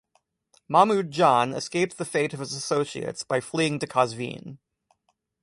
Mahmud Jan escaped the fate of his associates by fleeing to Qazvin.